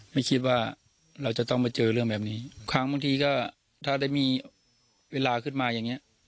ไม่คิดว่าเราจะต้องมาเจอเรื่องแบบนี้ครั้งบางทีก็ถ้าได้มีเวลาขึ้นมาอย่างเงี้ย